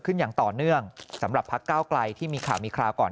อย่างต่อเนื่องสำหรับพักเก้าไกลที่มีข่าวมีคราวก่อน